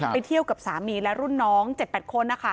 ไปเที่ยวกับสามีและรุ่นน้อง๗๘คน